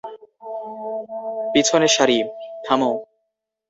পিছনের সারি, থামো!